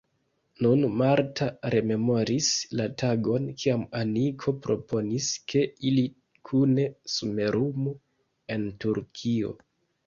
Nun Marta rememoris la tagon, kiam Aniko proponis, ke ili kune somerumu en Turkio.